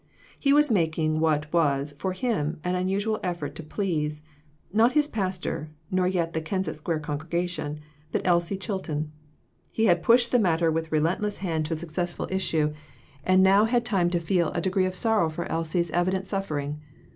He was making what was, for him, an unusual effort to please not his pastor, nor yet the Kensett Square congregation, but Elsie Chilton. He had pushed the matter with relentless hand 414 J s. R. to a successful issue, and had now time to feel a degree of sorrow for Elsie's evident suffering.